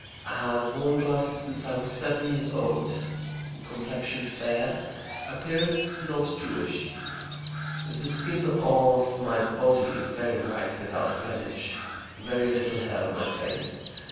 Have worn glasses since I was 7 years old. Complexion fair. Appearance not Jewish. The skin of my body is very white, without blemish. Very little hair on my face.